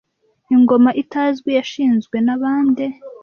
ingoma itazwi yashinzwe nabande